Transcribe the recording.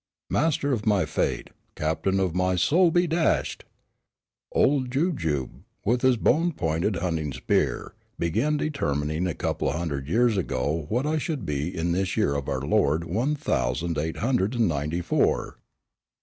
Master of my fate, captain of my soul, be dashed! Old Jujube, with his bone pointed hunting spear, began determining a couple of hundred years ago what I should be in this year of our Lord one thousand eight hundred and ninety four.